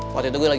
waktu itu gue lagi